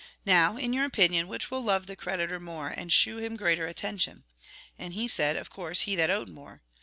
Now, in your opinion, which will love the creditor more, and shew him greater attention ?" And he said :" Of course, he that owed more."